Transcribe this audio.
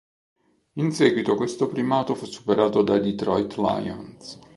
In seguito questo primato fu superato dai Detroit Lions.